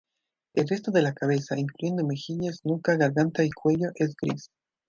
El resto de la cabeza, incluyendo mejillas, nuca, garganta y cuello, es gris.